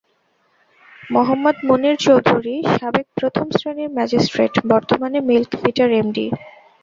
মোহাম্মাদ মুনীর চৌধুরী সাবেক প্রথম শ্রেণীর ম্যাজিস্ট্রেট, বর্তমানে মিল্ক ভিটার এমডি।